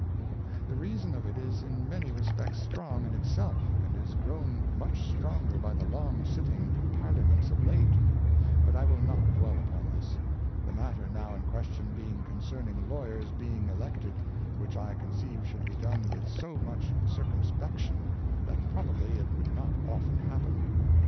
The Reason of it is in many respects strong in it self, and is grown much stronger by the long sitting of Parliaments of late ; but I will not dwell upon this : The matter now in question being concerning Lawyers being Elected, which I conceive should be done with so much circumspection, that probably it would not often happen.